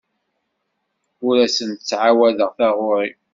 Ur asen-ttɛawadeɣ taɣuri.